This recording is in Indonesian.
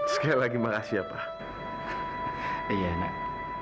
sekali lagi makasih ya pak iya nak